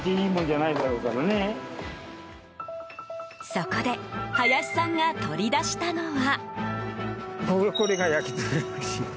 そこで、林さんが取り出したのは。